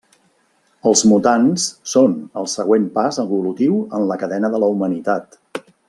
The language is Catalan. Els mutants són el següent pas evolutiu en la cadena de la humanitat.